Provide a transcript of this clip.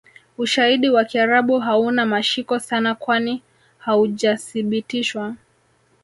Ushaidi wa kiarabu hauna mashiko sana kwani Haujasibitishwa